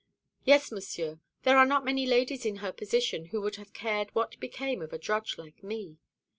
"Yes, Monsieur. There are not many ladies in her position who would have cared what became of a drudge like me.